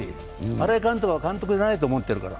新井監督は監督じゃないと思ってるから。